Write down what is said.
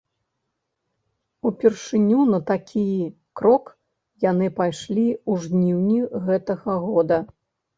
Упершыню на такі крок яны пайшлі ў жніўні гэтага года.